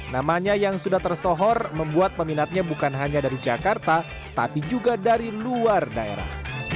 namanya yang sudah tersohor membuat peminatnya bukan hanya dari jakarta tapi juga dari luar daerah